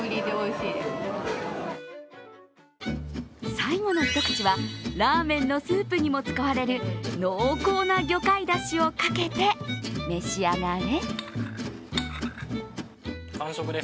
最後の一口は、ラーメンのスープにも使われる濃厚な魚介だしをかけて召し上がれ。